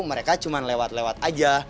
mereka cuma lewat lewat aja